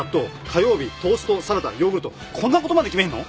火曜日トーストサラダヨーグルト」こんなことまで決めんの？